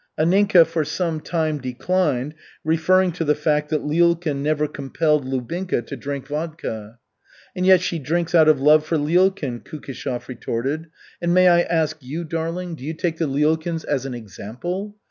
Anninka for some time declined, referring to the fact that Lyulkin never compelled Lubinka to drink vodka. "And yet she drinks out of love for Lyulkin," Kukishev retorted. "And may I ask you, darling, do you take the Lyulkins as an example?